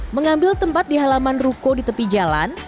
mengambil tempat di halaman ruko di tepi jalan